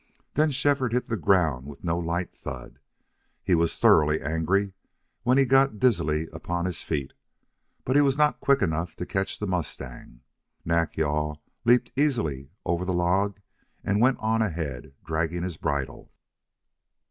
Then Shefford hit the ground with no light thud. He was thoroughly angry when he got dizzily upon his feet, but he was not quick enough to catch the mustang. Nack yal leaped easily over the log and went on ahead, dragging his bridle.